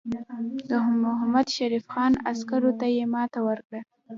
د محمدشریف خان عسکرو ته یې ماته ورکړه.